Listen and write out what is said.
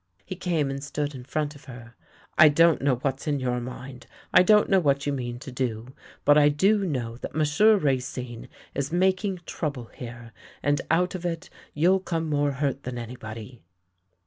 He came and stood in front of her. " I don't know what's in your mind, I don't know what you mean to do, but I do know that M'sieu' Racine is making trouble here, and out of it you'll come more hurt than anybody."